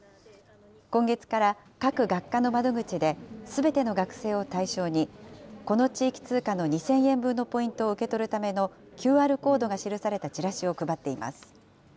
今月から各学科の窓口ですべての学生を対象に、この地域通貨の２０００円分のポイントを受け取るためのＱＲコードが記されたチラシを配っています。